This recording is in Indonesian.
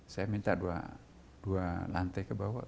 saya minta dua lantai ke bawah